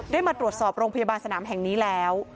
ได้มาตรวจสอบโรงพยาบาลสนามแห่งนี้แล้ว